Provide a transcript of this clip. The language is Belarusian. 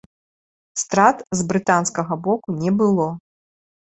Страт з брытанскага боку не было.